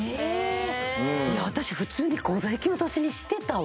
私普通に口座引き落としにしてたわ。